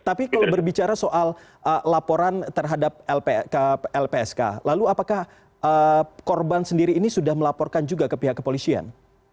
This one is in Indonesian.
tapi kalau berbicara soal laporan terhadap lpsk lalu apakah korban sendiri ini sudah melaporkan juga ke pihak kepolisian